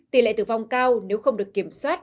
tỷ lệ tử vong cao nếu không được kiểm soát